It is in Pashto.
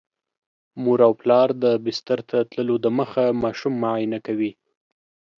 مور او پلار د بستر ته تللو دمخه ماشوم معاینه کوي.